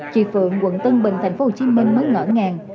chị phượng quận tân bình tp hcm mới ngỡ ngàng